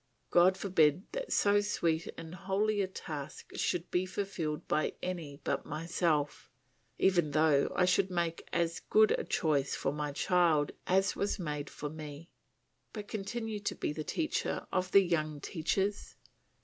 God forbid that so sweet and holy a task should be fulfilled by any but myself, even though I should make as good a choice for my child as was made for me! But continue to be the teacher of the young teachers.